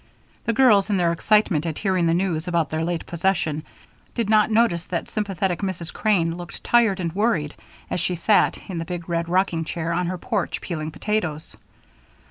The girls, in their excitement at hearing the news about their late possession, did not notice that sympathetic Mrs. Crane looked tired and worried as she sat, in the big red rocking chair on her porch, peeling potatoes.